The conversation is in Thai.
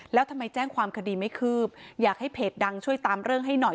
แล้วทำไมแจ้งความคดีไม่คืบอยากให้เพจดังช่วยตามเรื่องให้หน่อย